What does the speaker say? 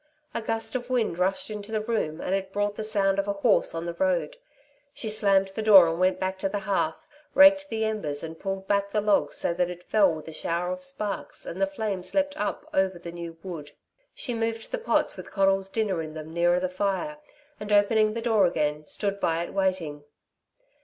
A gust of wind rushed into the room, and it brought the sound of a horse on the road. She slammed the door and went back to the hearth, raked the embers and pulled back the log so that it fell with a shower of sparks and the flames leapt up over the new wood. She moved the pots with Conal's dinner in them nearer the fire, and opening the door again, stood by it waiting.